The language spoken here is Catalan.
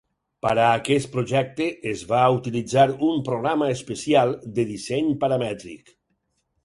Para aquest projecte es va utilitzar un programa especial de disseny paramètric.